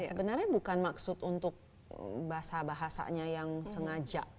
sebenarnya bukan maksud untuk bahasa bahasanya yang sengaja